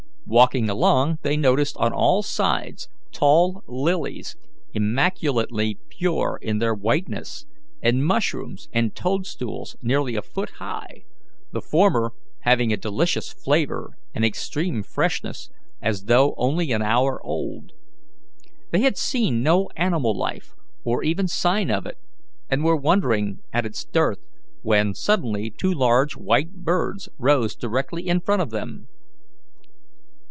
Walking along, they noticed on all sides tall lilies immaculately pure in their whiteness, and mushrooms and toadstools nearly a foot high, the former having a delicious flavour and extreme freshness, as though only an hour old. They had seen no animal life, or even sign of it, and were wondering at its dearth, when suddenly two large white birds rose directly in front of them.